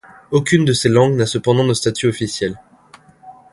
Aucune de ces langues n’a cependant de statut officiel.